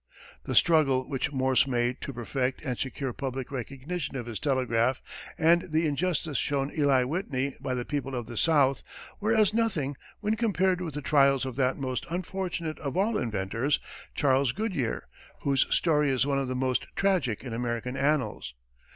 The struggle which Morse made to perfect and secure public recognition of his telegraph and the injustice shown Eli Whitney by the people of the South, were as nothing when compared with the trials of that most unfortunate of all inventors, Charles Goodyear, whose story is one of the most tragic in American annals.